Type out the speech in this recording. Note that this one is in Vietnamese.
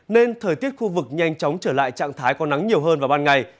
nên thời tiết khu vực nhanh chóng trở lại trạng thái có nắng nhiều hơn vào ban ngày